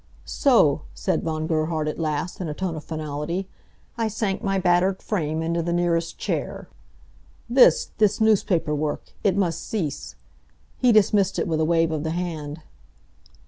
"So!" said Von Gerhard at last, in a tone of finality. I sank my battered frame into the nearest chair. "This this newspaper work it must cease." He dismissed it with a wave of the hand.